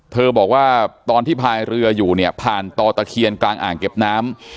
บอกว่าตอนที่พายเรืออยู่เนี่ยผ่านต่อตะเคียนกลางอ่างเก็บน้ำ